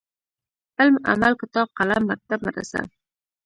علم ،عمل ،کتاب ،قلم ،مکتب ،مدرسه